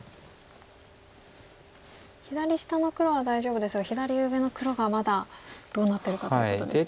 左下の黒は大丈夫ですが左上の黒がまだどうなってるかということですね。